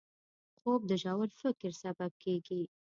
خوب د ژور فکر سبب کېږي